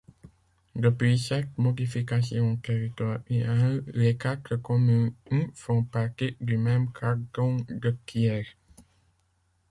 Depuis cette modification territoriale, les quatre communes font partie du même canton de Thiers.